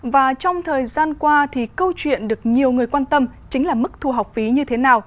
và trong thời gian qua thì câu chuyện được nhiều người quan tâm chính là mức thu học phí như thế nào